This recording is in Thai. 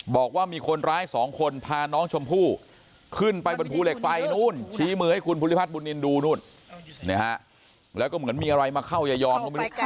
บอกว่ามีคนร้ายสองคนพาน้องชมพู่ขึ้นไปบนภูเหล็กไฟนู่นชี้มือให้คุณภูริพัฒนบุญนินดูนู่นแล้วก็เหมือนมีอะไรมาเข้ายายอมก็ไม่รู้